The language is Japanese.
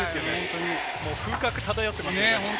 風格が漂っています。